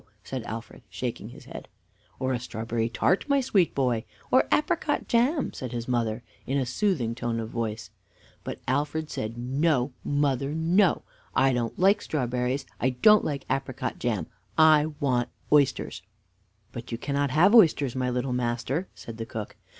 said Alfred, shaking his head. "Or a strawberry tart, my sweet boy? or apricot jam?" said his mother, in a soothing tone of voice. But Alfred said: "No, mother, no. I don't like strawberries. I don't like apricot jam. I want oysters." "But you cannot have oysters, my little master," said the cook.